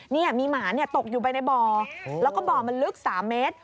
นี่มีหมาตกอยู่ไปในบ่อแล้วก็บ่อมันลึก๓เมตร